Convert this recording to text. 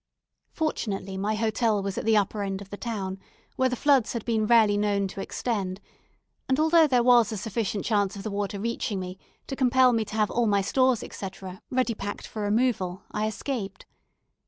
Fortunately my hotel was at the upper end of the town, where the floods had been rarely known to extend; and although there was a sufficient chance of the water reaching me to compel me to have all my stores, etc., ready packed for removal, I escaped.